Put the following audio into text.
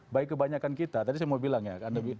baik kebanyakan kita tadi saya mau bilang ya